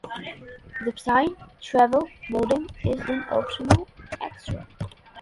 The Psion Travel Modem is an optional extra.